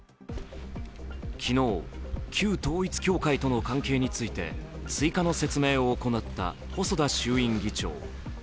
昨日、旧統一教会との関係について追加の説明を行った細田衆院議長。